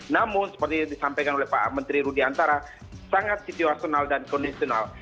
namun seperti disampaikan oleh pak menteri rudiantara sangat situasional dan kondisional